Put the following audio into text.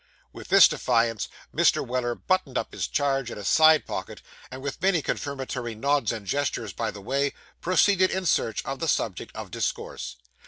With this defiance, Mr. Weller buttoned up his change in a side pocket, and, with many confirmatory nods and gestures by the way, proceeded in search of the subject of discourse.